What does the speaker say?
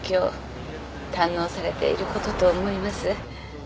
堪能されていることと思います。